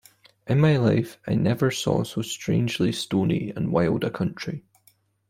In my life I never saw so strangely stony and wild a country.